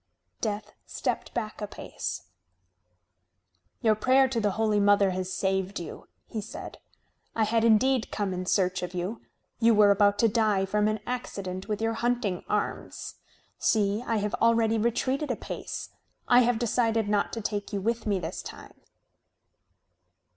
Death stepped back a pace. "Your prayer to the Holy Mother has saved you," he said. "I had indeed come in search of you. You were about to die from an accident with your hunting arms. See, I have already retreated a pace. I have decided not to take you with me this time."